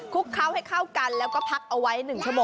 เข้าให้เข้ากันแล้วก็พักเอาไว้๑ชั่ว